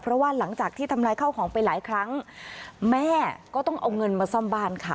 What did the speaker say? เพราะว่าหลังจากที่ทำลายข้าวของไปหลายครั้งแม่ก็ต้องเอาเงินมาซ่อมบ้านค่ะ